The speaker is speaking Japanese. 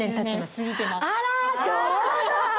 あらちょうど！